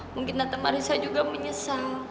mungkin tante marissa juga menyesal